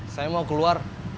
saya mau keluar